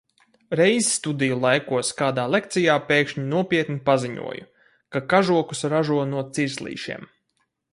Reiz studiju laikos kādā lekcijā pēkšņi nopietni paziņoju, ka kažokus ražo no cirslīšiem.